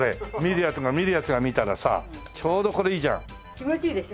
気持ちいいでしょ？